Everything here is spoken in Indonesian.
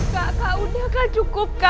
kak kak udah kak cukup kak